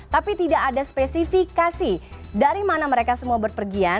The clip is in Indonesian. tapi tidak ada spesifikasi dari mana mereka semua berpergian